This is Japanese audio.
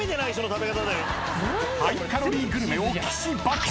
［ハイカロリーグルメを岸爆食］